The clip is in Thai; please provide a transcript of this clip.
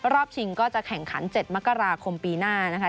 ชิงก็จะแข่งขัน๗มกราคมปีหน้านะคะ